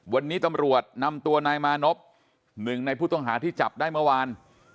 วันนี้ตำรวจนำตัวนายมานพหนึ่งในผู้ต้องหาที่จับได้เมื่อวาน